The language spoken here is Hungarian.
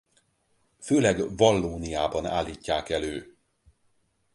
Főleg Vallóniában állítják elő.